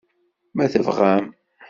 Ma tebɣam?